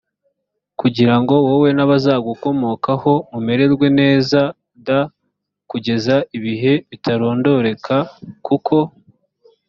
kugira ngo wowe n abazagukomokaho mumererwe neza d kugeza ibihe bitarondoreka kuko